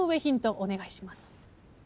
お願いします。